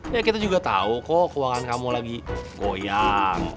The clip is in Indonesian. ya kita juga tahu kok keuangan kamu lagi goyang